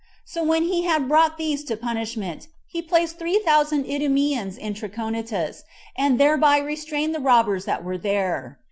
So when he had brought these to punishment, he placed three thousand Idumeans in Trachonitis, and thereby restrained the robbers that were there.